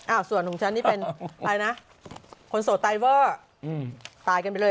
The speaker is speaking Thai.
ส่วนของฉันนี่เป็นใครนะคนโสดไตเวอร์ตายกันไปเลย